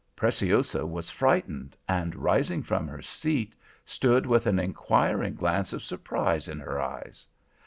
Preciosa was frightened, and rising from her seat, stood with an inquiring glance of surprise in her eyes.